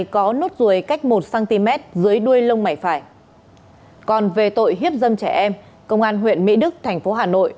còn về tội hiếp dâm trẻ em công an huyện mỹ đức thành phố hà nội